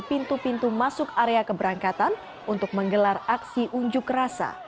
pintu pintu masuk area keberangkatan untuk menggelar aksi unjuk rasa